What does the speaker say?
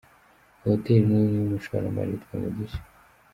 Iyi hoteli ni y’umushoramari witwa Mugisha.